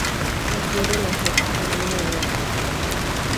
Nació en Raleigh, Carolina del Norte.